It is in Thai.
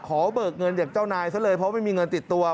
เบิกเงินจากเจ้านายซะเลยเพราะไม่มีเงินติดตัว